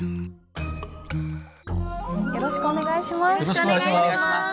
よろしくお願いします。